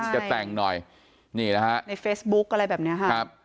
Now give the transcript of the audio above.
จะแต่งหน่อยนี่นะฮะในเฟซบุ๊คอะไรแบบนี้ค่ะครับ